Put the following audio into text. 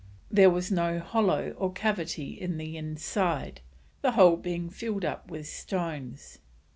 There was no hollow or cavity in the inside, the whole being filled up with stones.